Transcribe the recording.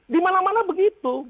di mana mana begitu